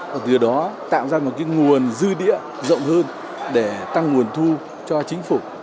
và từ đó tạo ra một nguồn dư địa rộng hơn để tăng nguồn thu cho chính phủ